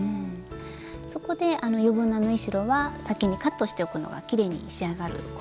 そこで余分な縫い代は先にカットしておくのがきれいに仕上がるコツなんですね。